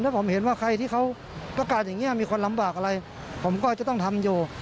ถ้าผมเห็นว่าใครที่เขาต้องการอย่างนี้มีคนลำบากอะไรผมก็จะต้องทำอยู่